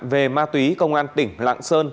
về ma túy công an tỉnh lạng sơn